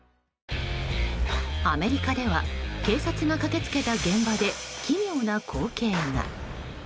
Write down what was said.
アメリカでは警察が駆け付けた現場で奇妙な光景が。